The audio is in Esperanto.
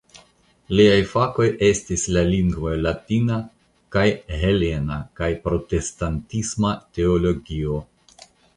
Liaj fakoj estis la lingvoj latina kaj helena kaj protestantisma teologio.